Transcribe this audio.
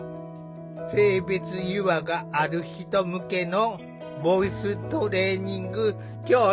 性別違和がある人向けのボイストレーニング教室。